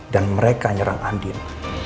dan mereka nyerang andin